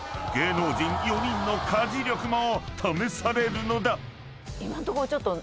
［芸能人４人の家事力も試されるのだ］